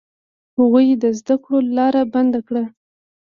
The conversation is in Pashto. هغوی د زده کړو لاره بنده کړه.